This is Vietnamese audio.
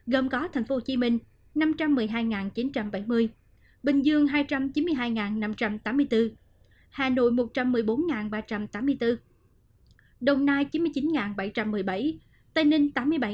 gồm có thành phố hồ chí minh năm trăm một mươi hai chín trăm bảy mươi bình dương hai trăm chín mươi hai năm trăm tám mươi bốn hà nội một trăm một mươi bốn ba trăm tám mươi bốn đồng nai chín mươi chín bảy trăm một mươi bảy tây ninh tám mươi bảy bốn trăm ba mươi năm